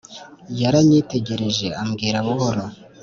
yaranyitegereje ambwira buhoro,